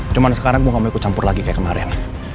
cuman sekarang gue gak mau ikut campur lagi kayak kemarin